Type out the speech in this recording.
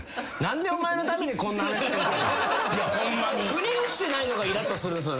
ふに落ちてないのがイラッとするんすよ。